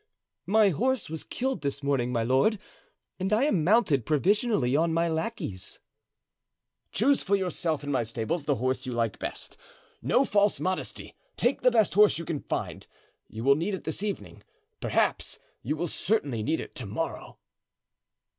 "My horse was killed this morning, my lord, and I am mounted provisionally on my lackey's." "Choose for yourself in my stables the horse you like best. No false modesty; take the best horse you can find. You will need it this evening, perhaps; you will certainly need it to morrow."